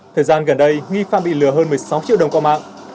thời gian gần đây nghi phạm bị lừa hơn một mươi sáu triệu đồng qua mạng